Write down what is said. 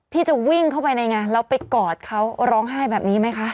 จะวิ่งเข้าไปในงานแล้วไปกอดเขาร้องไห้แบบนี้ไหมคะ